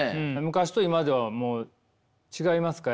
昔と今ではもう違いますか？